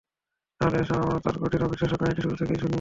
তাহলে এসো আমরা তাঁর কঠিন ও অবিশ্বাস্য কাহিনীটি শুরু থেকেই শুনি।